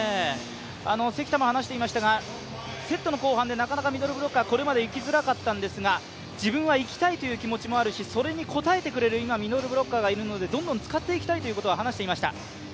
関田も話していましたがセットの後半でなかなかミドルブロッカーこれまで行きづらかったんですが自分はいきたいという気持ちもあるしそれに応えてくれるミドルブロッカーがいるのでどんどん使っていきたいということは話していました。